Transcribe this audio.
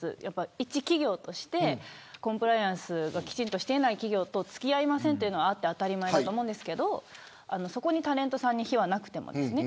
一企業としてコンプライアンスがきちんとしていないところと付き合えないというのは当たり前だと思うんですけどそこにタレントさんに非はなくてもですね。